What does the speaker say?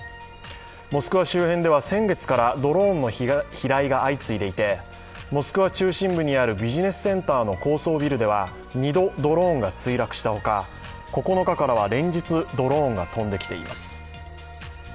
モスクワ周辺では先月からドローンの飛来が相次いでいてモスクワ中心部にあるビジネスセンターの高層ビルでは２度ドローンが墜落したほか９日からは連日ドローンが飛んできています。